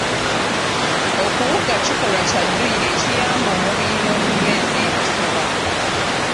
Okuwuga kikolwa kya dduyiro ekiyamba omubiri n'okunyweza emisuwa.